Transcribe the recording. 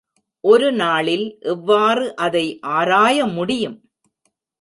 ஒரு நாளில் எவ்வாறு அதை ஆராயமுடியும்?